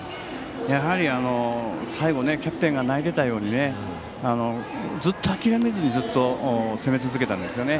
やはり最後キャプテンが泣いていたようにずっと諦めずに攻め続けたんですよね。